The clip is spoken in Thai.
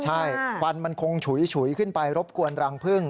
ใช่ควันมันคงฉุยขึ้นไปรบกวนรังพึ่ง